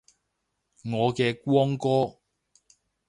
我嘅光哥